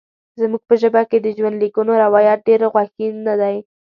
زموږ په ژبه کې د ژوندلیکونو روایت ډېر غوښین نه دی.